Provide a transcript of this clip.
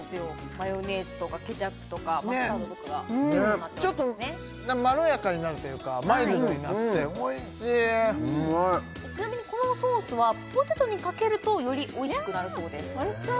マヨネーズとかケチャップとかマスタードとかがちょっとまろやかになるというかマイルドになっておいしいちなみにこのおソースはポテトにかけるとよりおいしくなるそうですおいしそう！